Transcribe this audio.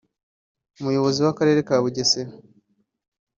Umuyobozi w’Akarere ka Bugesera